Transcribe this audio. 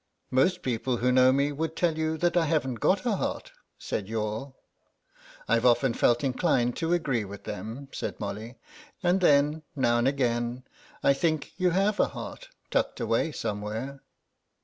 "Most people who know me would tell you that I haven't got a heart," said Youghal. "I've often felt inclined to agree with them," said Molly; "and then, now and again, I think you have a heart tucked away somewhere."